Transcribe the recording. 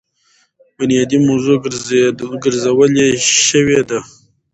بنيادي موضوع ګرځولے شوې ده.